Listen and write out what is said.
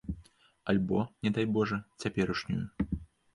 Альбо, не дай божа, цяперашнюю.